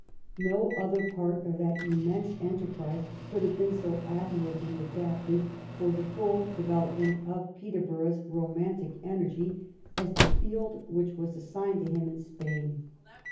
No other part of that immense enter prise could have been so admirably adapted for the full development of Peterborough's romantic energy as the field which was assigned to him in Spain.